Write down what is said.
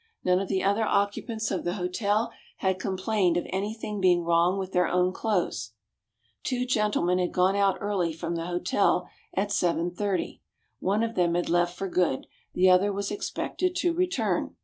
None of the other occupants of the hotel had complained of anything being wrong with their own clothes. "Two gentlemen had gone out early from the hotel at 7.30. One of them had left for good, the other was expected to return.